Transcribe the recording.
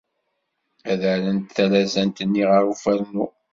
Ad rrent talazant-nni ɣer ufarnu.